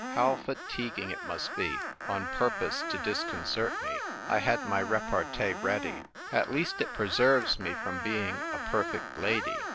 How fatiguing it must be !" on purpose to discon cert me, I had my repartee ready :" At least it preserves me from being a perfect lady."